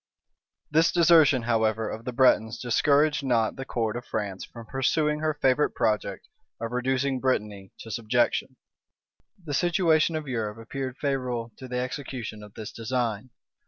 This desertion, however, of the Bretons discouraged not the court of France from pursuing her favorite project of reducing Brittany to subjection The situation of Europe appeared favorable to the execution of this design.